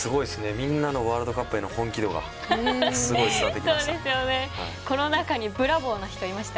みんなのワールドカップへの本気度がすごい伝わってきました。